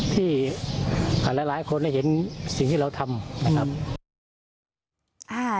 ที่หลายคนได้เห็นสิ่งที่เราทำ